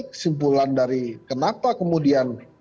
kesimpulan dari kenapa kemudian